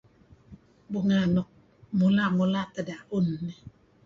Bunga' nuk mula'-mula teh daun neh.